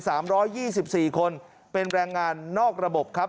สามร้อยยี่สิบสี่คนเป็นแรงงานนอกระบบครับ